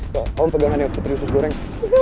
kamu pegangannya putri usus goreng